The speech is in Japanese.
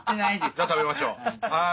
じゃあ食べましょうはい。